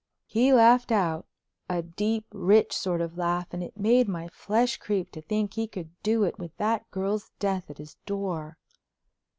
He laughed out, a deep, rich sort of laugh, and it made my flesh creep to think he could do it with that girl's death at his door.